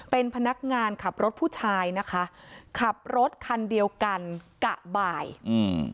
เป็นพนักงานขับรถผู้ชายนะคะขับรถคันเดียวกันกะบ่ายอืม